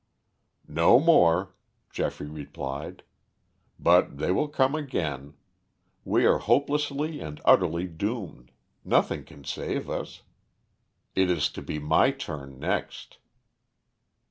"No more," Geoffrey replied. "But they will come again. We are hopelessly and utterly doomed; nothing can save us. It is to be my turn next."